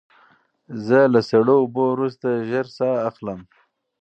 زه له سړو اوبو وروسته ژر ساه اخلم.